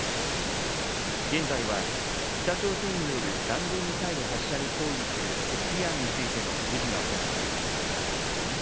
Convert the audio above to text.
現在は北朝鮮による弾道ミサイル発射に抗議する決議案についての議事が行われています。